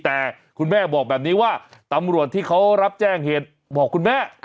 แต่คุณแม่บอกแบบนี้ว่าตำรวจที่เขารับแจ้งเหตุบอกคุณแม่